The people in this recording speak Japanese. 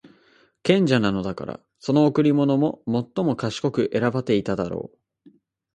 賢者なのだから、その贈り物も最も賢く選ばていただろう。